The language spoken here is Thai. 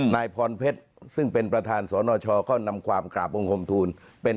นายพรเพชรซึ่งเป็นประธานสนชก็นำความกราบบังคมทูลเป็น